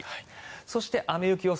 そして、雨・雪予想